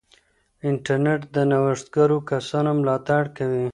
انټرنیټ د نوښتګرو کسانو ملاتړ کوي.